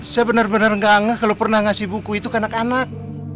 saya bener bener gak aneh kalo pernah ngasih buku itu ke anak anak